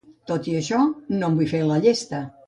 Tot i això, no em vull fer la llesta.